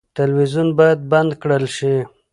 تلویزیون باید بند کړل شي.